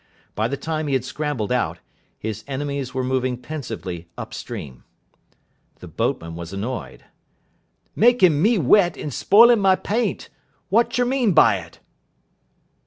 By the time he had scrambled out, his enemies were moving pensively up stream. The boatman was annoyed. "Makin' me wet and spoilin' my paint what yer mean by it?"